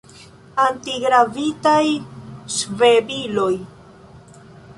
Antigravitaj ŝvebiloj.